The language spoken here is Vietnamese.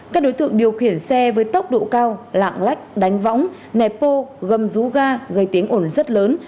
các đối tượng điều khiển xe với tốc độ cao lạng lách đánh võng nẹp ô gâm rú ga gây tiếng ổn rất lớn